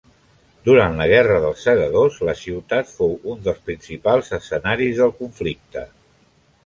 Durant la Guerra dels Segadors la ciutat fou un dels principals escenaris del conflicte.